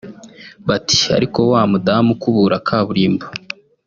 Ati “Ariko wa mudamu ukubura kaburimbo